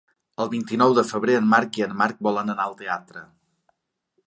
El vint-i-nou de febrer en Marc i en Marc volen anar al teatre.